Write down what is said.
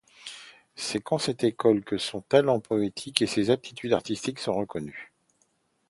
C'est dans cette école que son talent poétique et ses aptitudes artistiques sont reconnus.